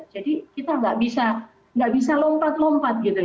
jadi kita tidak bisa lompat lompat